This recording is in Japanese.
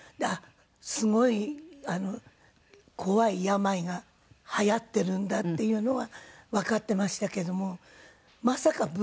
すごい怖い病がはやってるんだっていうのはわかってましたけどもまさか舞台。